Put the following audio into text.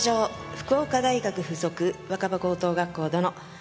福岡大学附属若葉高等学校殿。